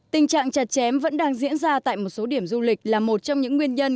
tình trạng chặt chém vẫn đang diễn ra tại một số điểm du lịch là một trong những nguyên nhân